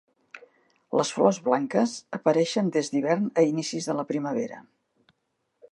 Les flors blanques apareixen des d'hivern a inicis de la primavera.